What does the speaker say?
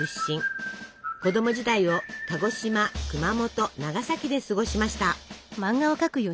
子供時代を鹿児島熊本長崎で過ごしました。